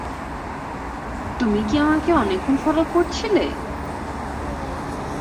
তুমি কি আমাকে অনেকক্ষণ ফলো করছিলে?